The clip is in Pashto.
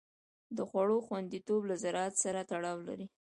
د خوړو خوندیتوب له زراعت سره تړاو لري.